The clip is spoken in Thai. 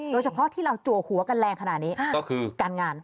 โดยเฉพาะที่เราจัวหัวกันแรงขนาดนี้ก็คือการงาน